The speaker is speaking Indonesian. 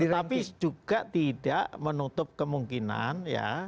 tapi juga tidak menutup kemungkinan ya